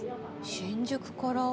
新宿から？